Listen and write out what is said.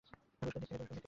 তুরস্কের দিক থেকে।